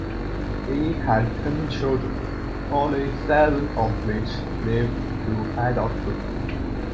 They had ten children, only seven of which lived to adulthood.